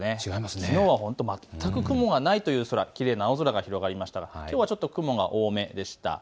きのうは全く雲がないきれいな青空が広がりましたがきょうはちょっと雲が多めでした。